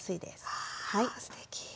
あすてき。